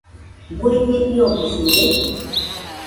¿Bueñe iobisɨde?